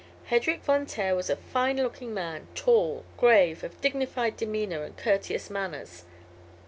Hedrik Von Taer was a fine looking man, tall, grave, of dignified demeanor and courteous manners.